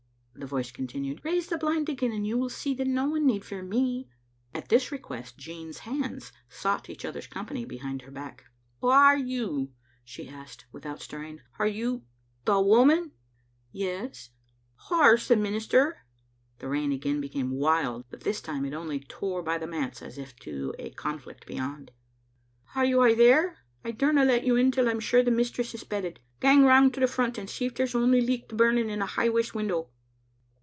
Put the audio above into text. the voice continued. "Raise the blind again, and you will see that no one need fear me. At this request Jean's hands sought each other's company behind her back. "Whaareyou?" she asked, without stirring. "Are you — the woman?" "Yes." " Whaur's the minister?" The rain again became wild, but this time it only tore by the manse as if to a conflict beyond. "Are you aye there? I dauma let you in till I'm sure the mistress is bedded. Gang round to the front, and see if there's ony licht burning in the high west window."